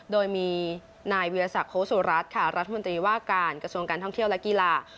โดยมีนายวิทยาศักดิโคสุรัตน์ค่ะรัฐมนตรีว่าการกระทรวงการท่องเที่ยวและกีฬา